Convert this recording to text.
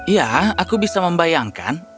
ya aku bisa membayangkan